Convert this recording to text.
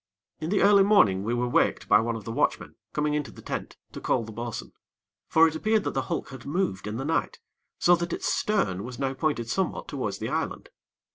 In the early morning we were waked by one of the watchmen, coming into the tent to call the bo'sun; for it appeared that the hulk had moved in the night, so that its stern was now pointed somewhat towards the island.